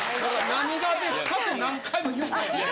何がですかって何回も言うてんねん。